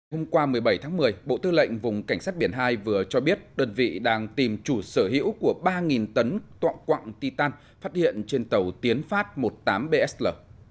hôm qua một mươi bảy tháng một mươi bộ tư lệnh vùng cảnh sát biển hai vừa cho biết đơn vị đang tìm chủ sở hữu của ba tấn tọa quạng titan phát hiện trên tàu tiến phát một mươi tám bsl